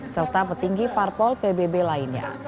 serta petinggi parpol pbb lainnya